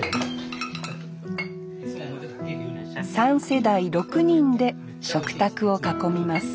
３世代６人で食卓を囲みます